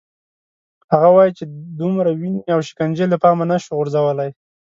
هغه وايي چې دومره وینې او شکنجې له پامه نه شو غورځولای.